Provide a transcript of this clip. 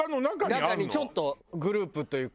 中にちょっとグループというか。